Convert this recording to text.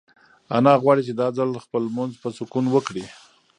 انا غواړي چې دا ځل خپل لمونځ په سکون وکړي.